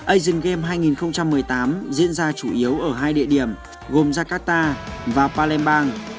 asean games hai nghìn một mươi tám diễn ra chủ yếu ở hai địa điểm gồm jakarta và palembang